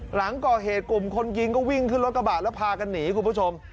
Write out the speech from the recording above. หลังก่อเหตุกลุ่มคนยิงก็วิ่งขึ้นรถกระบะแล้วพากันหนีคุณผู้ชม